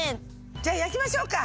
じゃあ焼きましょうか。